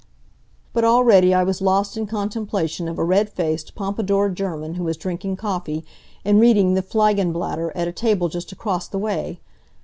But already I was lost in contemplation of a red faced, pompadoured German who was drinking coffee and reading the Fliegende Blatter at a table just across the way.